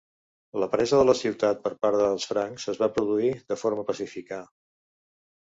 La presa de la ciutat per part dels francs es va produir de forma pacífica.